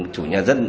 chủ nhà dân